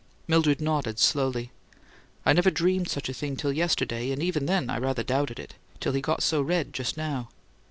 Mildred nodded slowly. "I never dreamed such a thing till yesterday, and even then I rather doubted it till he got so red, just now!